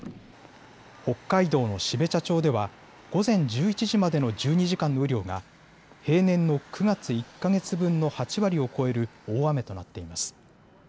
北海道の標茶町では午前１１時までの１２時間の雨量が平年の９月１か月分の８割を超える大雨となっています。